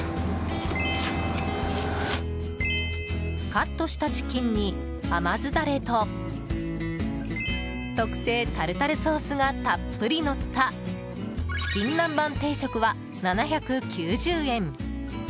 カットしたチキンに甘酢ダレと特製タルタルソースがたっぷりのったチキン南蛮定食は、７９０円。